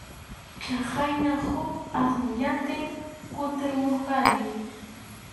Chhayna huk asnullantin kutimurqani.